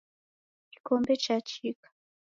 Kikombe chachika.